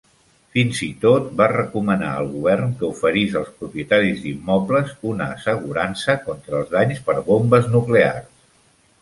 Fins i tot va recomanar al govern que oferís als propietaris d'immobles una assegurança contra els danys per bombes nuclears.